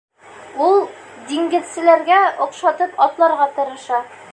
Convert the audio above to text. Ул диңгеҙселәргә оҡшатып атларға тырыша.